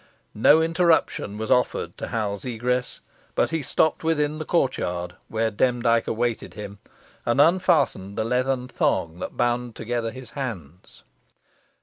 No interruption was offered to Hal's egress, but he stopped within the court yard, where Demdike awaited him, and unfastened the leathern thong that bound together his hands.